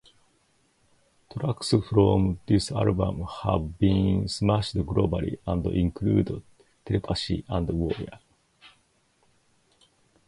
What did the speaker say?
Tracks from this album have been smashed globally and include "Telepathy" and "Warrior".